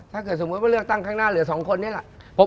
ถ้าเกิดสมมุติว่าเลือกตั้งข้างหน้าเหลือ๒คนนี้แหละ